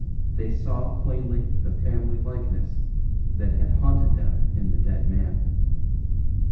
They saw plainly the family likeness that had haunted them in the dead man.